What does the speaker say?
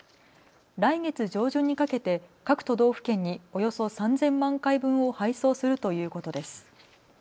来月上旬にかけて各都道府県におよそ３０００万回分を配送するということです。